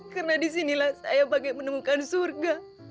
karena di sinilah saya bagai menemukan surga